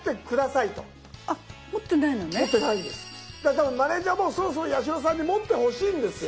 多分マネージャーもそろそろ八代さんに持ってほしいんですよ。